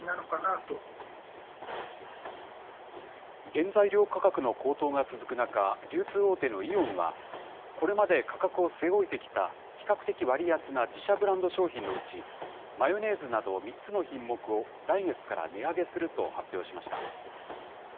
原材料価格の高騰が続く中、流通大手のイオンは、これまで価格を据え置いてきた比較的割安な自社ブランド商品のうち、マヨネーズなど３つの品目を来月から値上げすると発表しました。